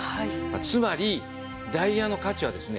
つまりダイヤの価値はですね